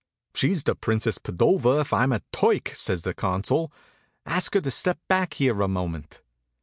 "She's the Princess Padova or I'm a Turk," says the Consul. "Ask her to step back here a moment."